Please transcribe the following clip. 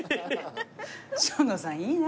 生野さんいいな。